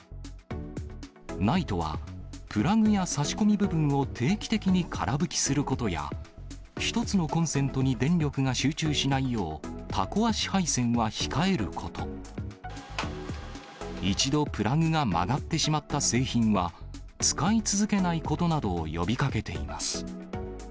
ＮＩＴＥは、プラグや差し込み部分を定期的にから拭きすることや、１つのコンセントに電力が集中しないよう、たこ足配線は控えること、一度プラグが曲がってしまった製品は、使い続けないことなどを呼びかけています。